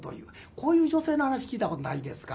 こういう女性の話聞いたことないですか？